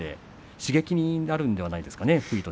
刺激になるんじゃないですか。